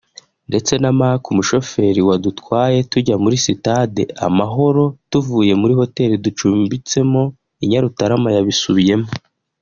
ndetse na Marc umushoferi wadutwaye tujya kuri sitade Amahoro tuvuye muri Hoteli ducumbitsemo i Nyarutarama yabisubiyemo